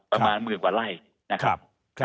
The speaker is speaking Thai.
ประมาณหมื่นกว่าไร่นะครับ